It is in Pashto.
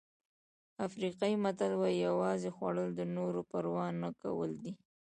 افریقایي متل وایي یوازې خوړل د نورو پروا نه کول دي.